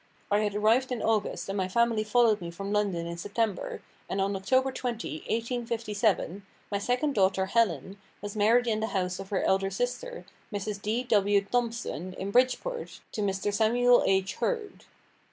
I had arrived in August and my family followed me from London in September, and October 20, 1857, my second daughter, Helen, was married in the house of her elder sister, Mrs. D. W. Thompson, in Bridgeport, to Mr. Samuel H. Hurd.